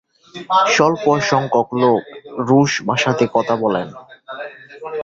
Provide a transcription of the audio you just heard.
স্বল্প সংখ্যক লোক রুশ ভাষাতে কথা বলেন।